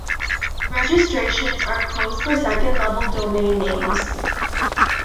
Registrations are closed for second-level domain names.